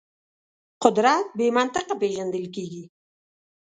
قدرت بې منطقه پېژندل کېږي.